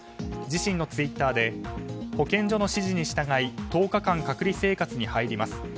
自身のツイッターで保健所の指示に従い１０日間隔離生活に入ります。